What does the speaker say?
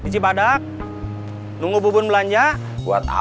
jangan lupa berlangganan ya